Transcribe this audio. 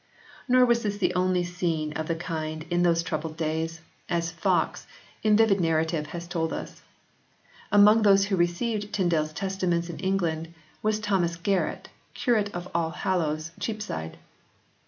Nor was this the only scene of the kind in those in] TYNDALE S FEINTED TRANSLATION 46 troubled days, as Foxe, in vivid narrative, has told us. Among those who received Tyndale s Testaments in England was Thomas Garret, Curate of All Hallows, Cheapside.